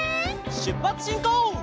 しゅっぱつしんこう！